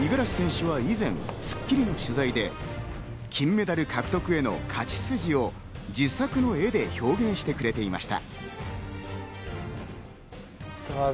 五十嵐選手は以前、『スッキリ』の取材で金メダル獲得への勝ち筋を自作の絵で表現してくれていました。